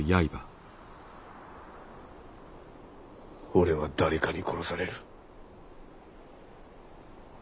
俺は誰かに殺される。